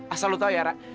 asal lo tau ya ra